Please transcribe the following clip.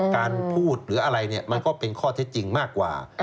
การพูดหรืออะไรเนี่ยมันก็เป็นข้อเท็จจริงมากกว่า